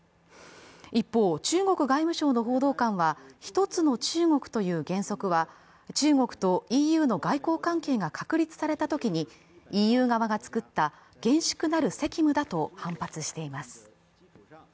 一方、中国外務省の報道官は、一つの中国という原則は、中国とＥＵの外交関係が確立されたときにＥＵ側がつくった厳粛なる責務だと反発しています。